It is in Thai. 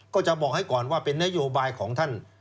ก็จะบอกให้ก่อนว่าเป็นนโยบายของท่าน